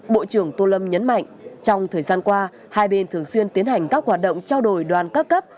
bộ trưởng tô lâm nhấn mạnh trong thời gian qua hai bên thường xuyên tiến hành các hoạt động trao đổi đoàn các cấp